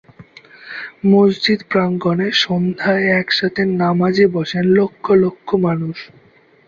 মসজিদ প্রাঙ্গণে সন্ধ্যায় একসাথে নামাজে বসেন লক্ষ লক্ষ মানুষ।